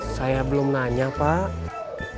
saya belum nanya pak